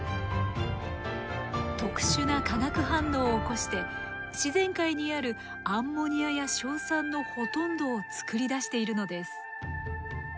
特殊な化学反応を起こして自然界にあるアンモニアや硝酸のほとんどを作り出しているのです。